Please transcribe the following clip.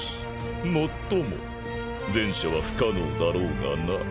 もっとも前者は不可能だろうがな。